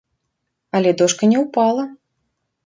Але дошка не ўпала.